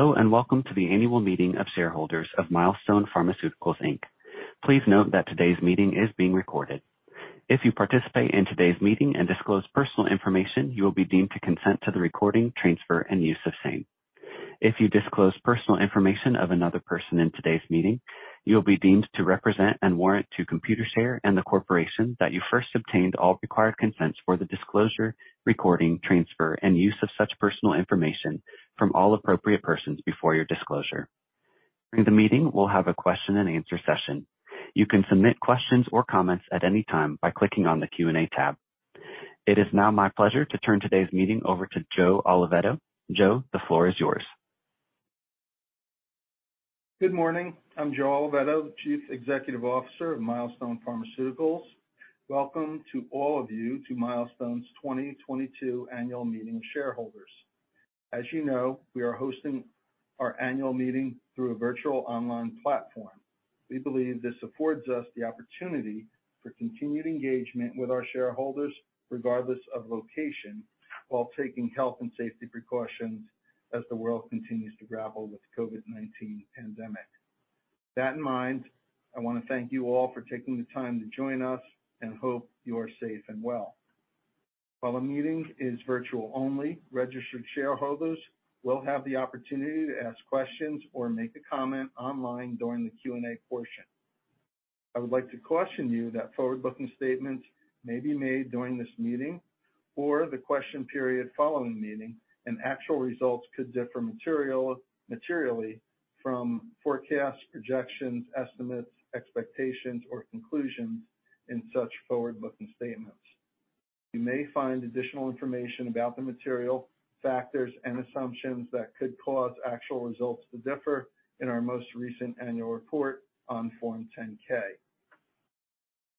Hello, and welcome to the Annual Meeting of Shareholders of Milestone Pharmaceuticals Inc. Please note that today's meeting is being recorded. If you participate in today's meeting and disclose personal information, you will be deemed to consent to the recording, transfer, and use of same. If you disclose personal information of another person in today's meeting, you will be deemed to represent and warrant to Computershare and the corporation that you first obtained all required consents for the disclosure, recording, transfer, and use of such personal information from all appropriate persons before your disclosure. During the meeting, we'll have a question-and-answer session. You can submit questions or comments at any time by clicking on the Q&A tab. It is now my pleasure to turn today's meeting over to Joe Oliveto. Joe, the floor is yours. Good morning. I'm Joe Oliveto, Chief Executive Officer of Milestone Pharmaceuticals. Welcome to all of you to Milestone's 2022 Annual Meeting of Shareholders. As you know, we are hosting our Annual Meeting through a virtual online platform. We believe this affords us the opportunity for continued engagement with our shareholders, regardless of location, while taking health and safety precautions as the world continues to grapple with the COVID-19 pandemic. That in mind, I want to thank you all for taking the time to join us and hope you are safe and well. While the meeting is virtual only, registered shareholders will have the opportunity to ask questions or make a comment online during the Q&A portion. I would like to caution you that forward-looking statements may be made during this meeting or the question period following the meeting, and actual results could differ materially from forecasts, projections, estimates, expectations, or conclusions in such forward-looking statements. You may find additional information about the material factors and assumptions that could cause actual results to differ in our most recent annual report on Form 10-K.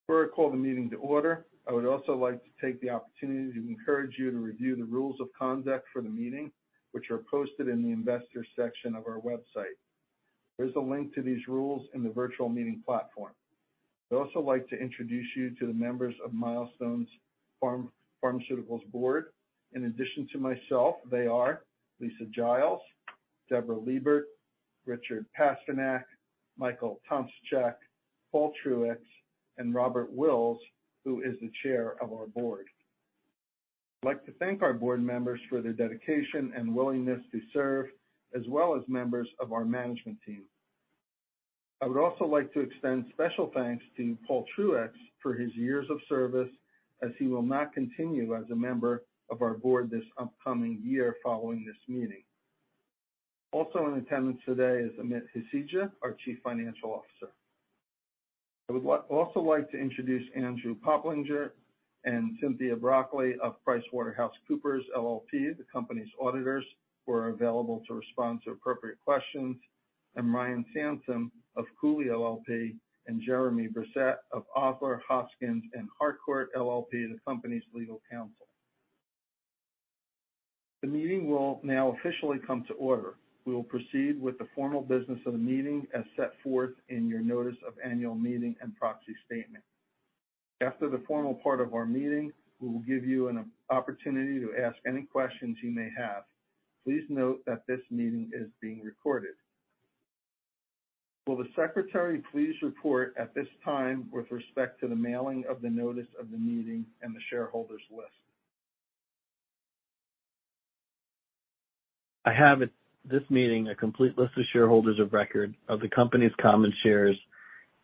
Before I call the meeting to order, I would also like to take the opportunity to encourage you to review the rules of conduct for the meeting, which are posted in the Investors section of our website. There's a link to these rules in the virtual meeting platform. I'd also like to introduce you to the members of Milestone Pharmaceuticals' Board. In addition to myself, they are Lisa Giles, Debra Liebert, Richard Pasternak, Michael Tomsicek, Paul Truex, and Robert Wills, who is the Chair of our Board. I'd like to thank our Board Members for their dedication and willingness to serve, as well as members of our management team. I would also like to extend special thanks to Paul Truex for his years of service, as he will not continue as a member of our Board this upcoming year following this meeting. Also in attendance today is Amit Hasija, our Chief Financial Officer. I would also like to introduce Andrew Popliger and Cynthia Broccoli of PricewaterhouseCoopers LLP, the company's auditors, who are available to respond to appropriate questions, and Ryan Sansom of Cooley LLP and Jeremy Brisset of Osler, Hoskin & Harcourt LLP, the company's legal counsel. The meeting will now officially come to order. We will proceed with the formal business of the meeting as set forth in your notice of annual meeting and proxy statement. After the formal part of our meeting, we will give you an opportunity to ask any questions you may have. Please note that this meeting is being recorded. Will the secretary please report at this time with respect to the mailing of the notice of the meeting and the shareholders list? I have at this meeting a complete list of shareholders of record of the company's common shares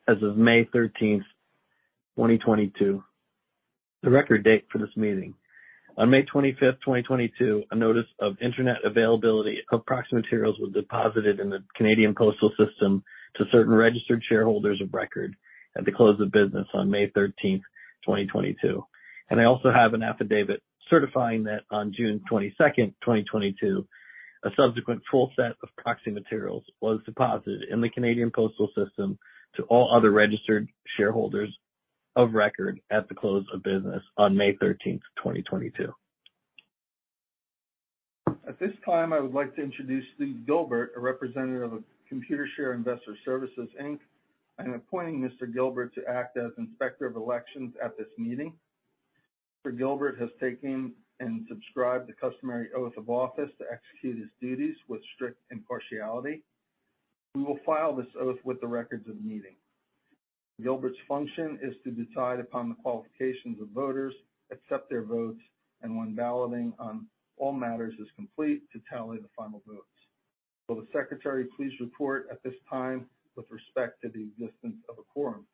as of May 13, 2022, the record date for this meeting. On May 25, 2022, a notice of internet availability of proxy materials was deposited in the Canadian postal system to certain registered shareholders of record at the close of business on May 13th, 2022. I also have an affidavit certifying that on June 22nd, 2022, a subsequent full set of proxy materials was deposited in the Canadian postal system to all other registered shareholders of record at the close of business on 13 May, 2022. At this time, I would like to introduce Steve Gilbert, a representative of Computershare Investor Services Inc. I am appointing Mr. Gilbert to act as Inspector of Elections at this meeting. Mr. Gilbert has taken and subscribed the customary oath of office to execute his duties with strict impartiality. We will file this oath with the records of the meeting. Gilbert's function is to decide upon the qualifications of voters, accept their votes, and when balloting on all matters is complete, to tally the final votes. Will the Secretary please report at this time with respect to the existence of a quorum?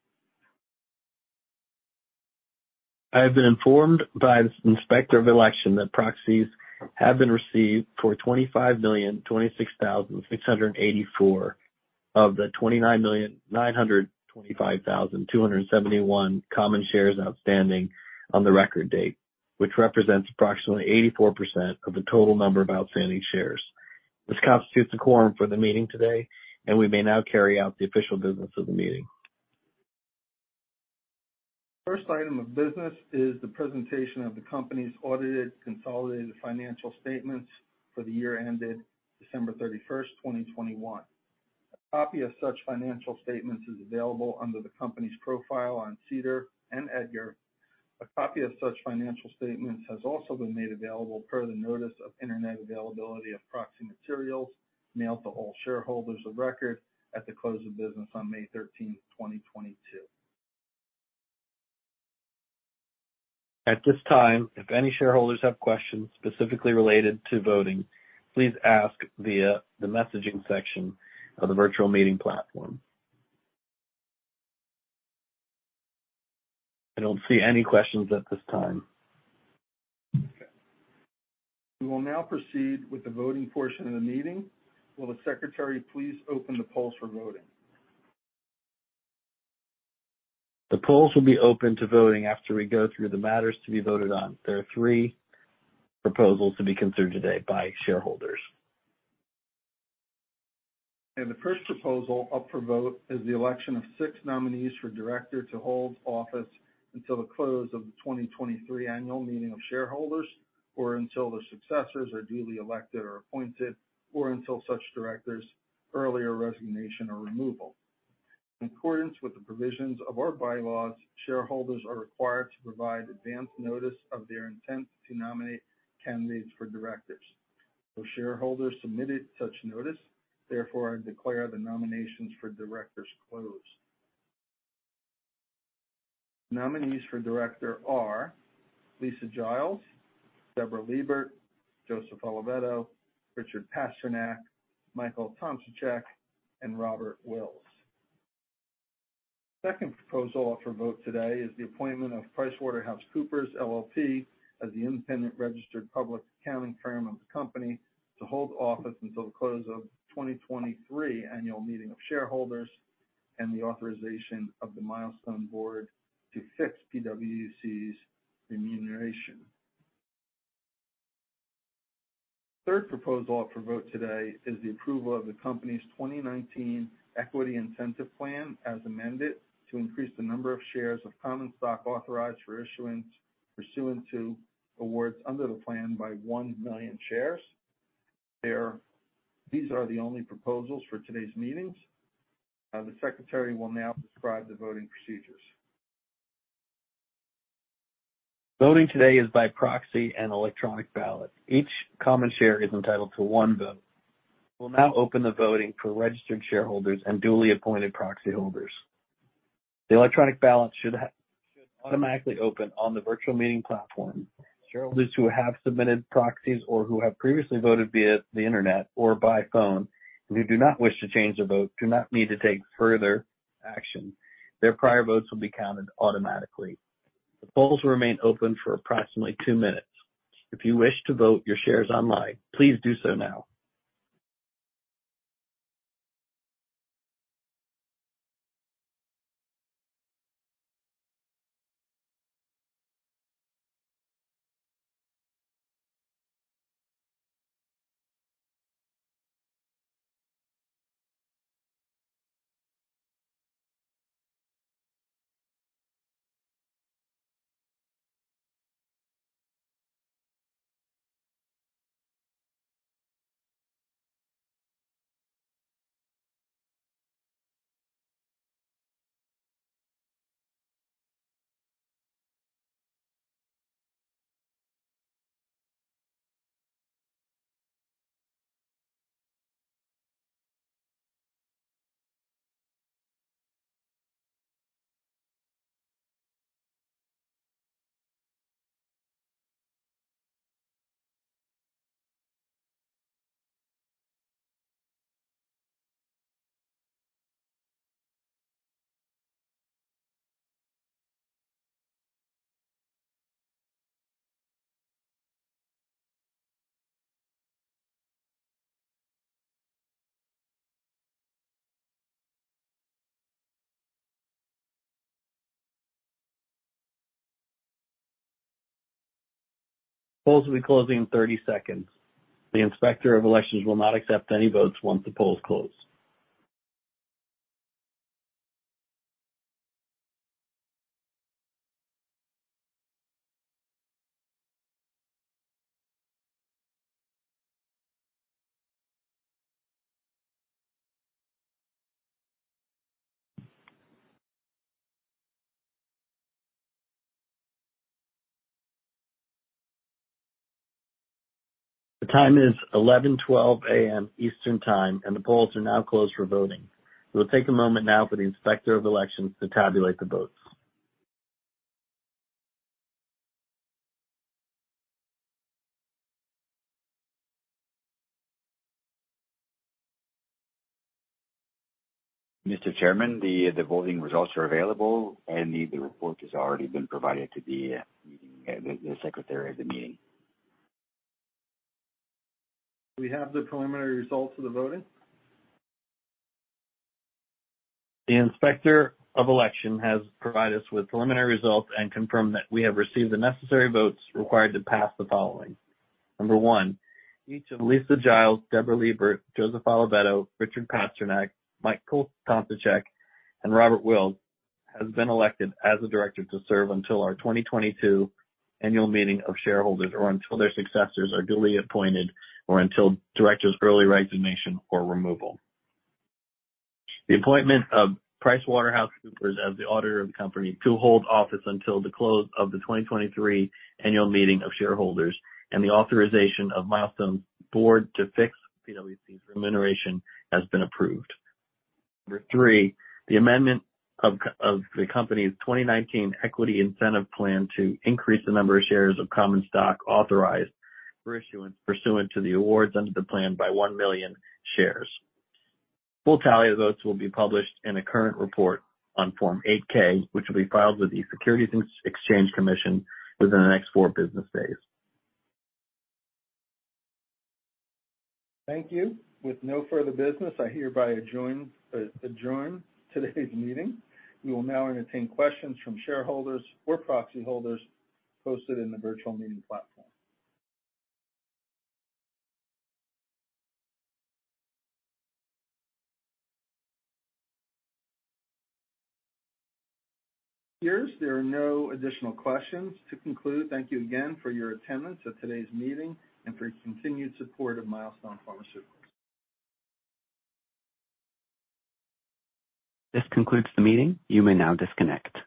I have been informed by the Inspector of Election that proxies have been received for 25,026,684 of the 29,925,271 common shares outstanding on the record date, which represents approximately 84% of the total number of outstanding shares. This constitutes a quorum for the meeting today, and we may now carry out the official business of the meeting. First item of business is the presentation of the company's audited consolidated financial statements for the year ended December 31st, 2021. A copy of such financial statements is available under the company's profile on SEDAR and EDGAR. A copy of such financial statements has also been made available per the notice of Internet availability of proxy materials mailed to all shareholders of record at the close of business on May 13th, 2022. At this time, if any shareholders have questions specifically related to voting, please ask via the messaging section of the virtual meeting platform. I don't see any questions at this time. Okay. We will now proceed with the voting portion of the meeting. Will the secretary please open the polls for voting? The polls will be open to voting after we go through the matters to be voted on. There are three proposals to be considered today by shareholders. The first proposal up for vote is the election of six nominees for director to hold office until the close of the 2023 Annual Meeting of Shareholders, or until their successors are duly elected or appointed, or until such Director's early resignation or removal. In accordance with the provisions of our bylaws, shareholders are required to provide advance notice of their intent to nominate candidates for directors. No shareholders submitted such notice. Therefore, I declare the nominations for Directors closed. Nominees for Director are Lisa Giles, Debra Liebert, Joseph Oliveto, Richard Pasternak, Michael Tomsicek, and Robert Wills. Second proposal up for vote today is the appointment of PricewaterhouseCoopers LLP as the independent registered public accounting firm of the company to hold office until the close of 2023 Annual Meeting of Shareholders, and the authorization of the Milestone's Board to fix PwC's remuneration. Third proposal up for vote today is the approval of the company's 2019 Equity Incentive Plan, as amended, to increase the number of shares of common stock authorized for issuance pursuant to awards under the plan by 1 million shares. These are the only proposals for today's meetings. The secretary will now describe the voting procedures. Voting today is by proxy and electronic ballot. Each common share is entitled to one vote. We'll now open the voting for registered shareholders and duly appointed proxy holders. The electronic ballot should automatically open on the virtual meeting platform. Shareholders who have submitted proxies or who have previously voted via the Internet or by phone, and who do not wish to change their vote, do not need to take further action. Their prior votes will be counted automatically. The polls will remain open for approximately two minutes. If you wish to vote your shares online, please do so now. Polls will be closing in 30 seconds. The Inspector of Elections will not accept any votes once the polls close. The time is 11:12 A.M. Eastern Time, and the polls are now closed for voting. We will take a moment now for the Inspector of Elections to tabulate the votes. Mr. Chairman, the voting results are available, and the report has already been provided to the secretary of the meeting. Do we have the preliminary results of the voting? The Inspector of Election has provided us with preliminary results and confirmed that we have received the necessary votes required to pass the following. Number one, each of Lisa Giles, Debra Liebert, Joseph Oliveto, Richard Pasternak, Michael Tomsicek, and Robert Wills has been elected as a director to serve until our 2022 Annual Meeting of Shareholders, or until their successors are duly appointed, or until Director's early resignation or removal. The appointment of PricewaterhouseCoopers as the auditor of the company to hold office until the close of the 2023 Annual Meeting of Shareholders and the authorization of Milestone's Board to fix PwC's remuneration has been approved. Number three, the amendment of the company's 2019 Equity Incentive Plan to increase the number of shares of common stock authorized for issuance pursuant to the awards under the plan by 1 million shares. Full tally of votes will be published in a current report on Form 8-K, which will be filed with the Securities and Exchange Commission within the next four business days. Thank you. With no further business, I hereby adjourn today's meeting. We will now entertain questions from shareholders or proxy holders posted in the virtual meeting platform. It appears there are no additional questions. To conclude, thank you again for your attendance at today's meeting and for your continued support of Milestone Pharmaceuticals. This concludes the meeting. You may now disconnect.